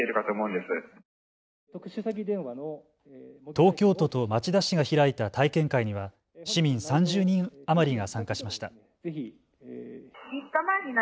東京都と町田市が開いた体験会には市民３０人余りが参加しました。